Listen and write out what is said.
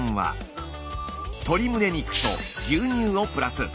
鶏胸肉と牛乳をプラス。